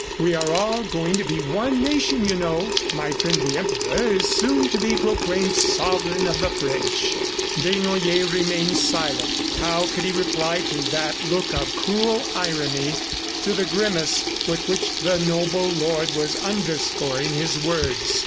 We are all going to be one nation, you know. ... My friend, the Emperor, is soon to be proclaimed sovereign of the French." Desnoyers remained silent. How could he reply to that look of cruel irony, to the grimace with which the noble lord was underscoring his words?